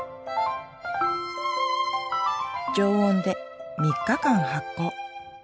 常温で３日間発酵。